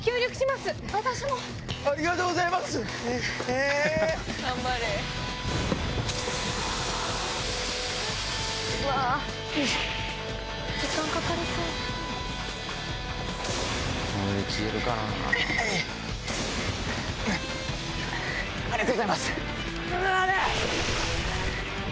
ありがとうございますおりゃ！